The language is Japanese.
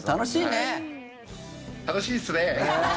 楽しいっすね！